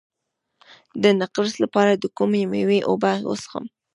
د نقرس لپاره د کومې میوې اوبه وڅښم؟